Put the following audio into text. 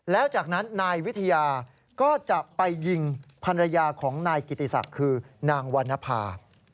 แล้วจากนั้นนายวิทยาก็จะไปยิงภรรยาของนายกิติศักดิ์คือนางวรรณภา